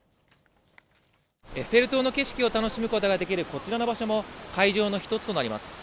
エッフェル塔の景色を楽しむことができるこちらの場所も会場の１つとなります。